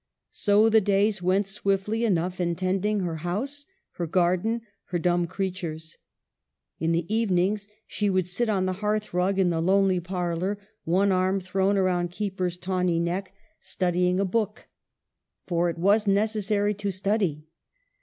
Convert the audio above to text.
So the days went swiftly enough in tending her house, her garden, her dumb creatures. In the evenings she would sit on the hearthrug in the lonely parlor, one arm thrown round Keeper's tawny neck, studying a 144 EMILY BRONTE. book. For it was necessary to study.